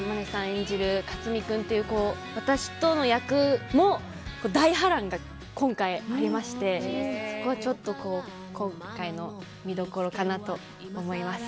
演じる克己君という私との役も、大波乱が今回ありましてそこが今回の見どころかなと思います。